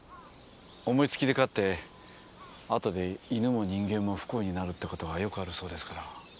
思いつきで飼って後で犬も人間も不幸になるって事がよくあるそうですから。